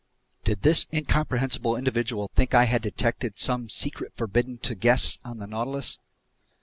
Did this incomprehensible individual think I had detected some secret forbidden to guests on the Nautilus?